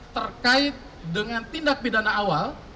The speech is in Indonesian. terkait dengan tindak pidana awal